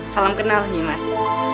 salam kenal nimas